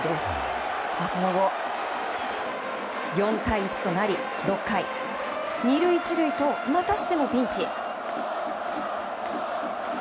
その後、４対１となり６回、２塁１塁とまたしてもピンチ。